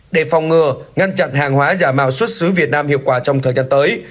để phòng ngừa ngăn chặn hàng hóa giả mạo xuất xứ việt nam hiệu quả trong thời gian tới